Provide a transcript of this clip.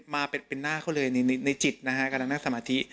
มาเป็นหน้าเขาเลยในจิตนะฮะกำลังนั่งสมาธิ